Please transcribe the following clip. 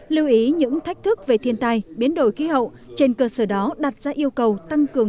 lưu ý những thách thức về thiên tai biến đổi khí hậu trên cơ sở đó đặt ra yêu cầu tăng cường